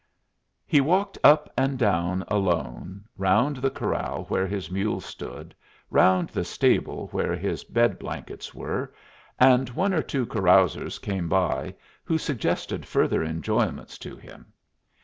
He walked up and down alone, round the corral where his mules stood, round the stable where his bed blankets were; and one or two carousers came by, who suggested further enjoyments to him.